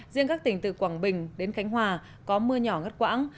riêng các tỉnh từ quảng bình đến khánh hòa có mưa nhỏ ngất quãng